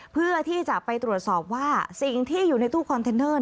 เพื่อที่จะไปตรวจสอบว่าสิ่งที่อยู่ในตู้คอนเทนเนอร์